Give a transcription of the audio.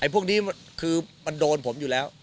พวกนี้คือมันโดนผมอยู่แล้ว